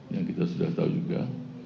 yang kita sudah tahu juga